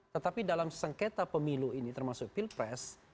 tetapi dalam sengketa pemilu ini termasuk pilpres